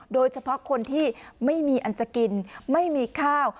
โดยเฉพาะคนที่ไม่มีอันจะกินไม่มีข้าว